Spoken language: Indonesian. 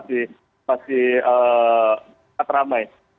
jadi ini seperti negara yang masih berada di kota kota